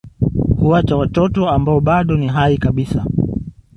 Huacha watoto ambao bado ni hai kabisa